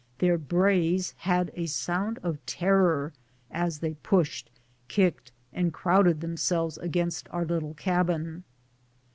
Their brays had a sound of terror as they pushed, kicked, and crowded themselves against our little cabin.